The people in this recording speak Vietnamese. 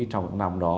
trong những năm đó